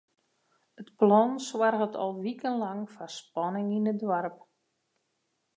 It plan soarget al wikenlang foar spanning yn it doarp.